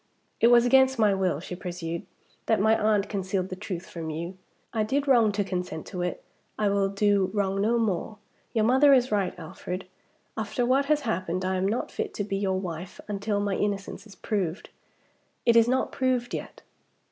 "It was against my will," she pursued, "that my aunt concealed the truth from you. I did wrong to consent to it, I will do wrong no more. Your mother is right, Alfred. After what has happened, I am not fit to be your wife until my innocence is proved. It is not proved yet."